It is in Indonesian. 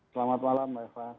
selamat malam mbak eva